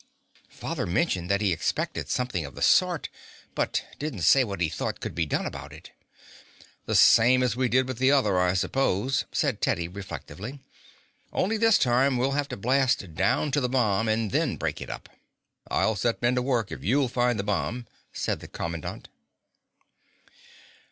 "Father mentioned that he expected something of the sort, but didn't say what he thought could be done about it." "The same as we did with the other, I suppose," said Teddy reflectively. "Only this time we'll have to blast down to the bomb and then break it up." "I'll set men to work if you'll find the bomb," said the commandant.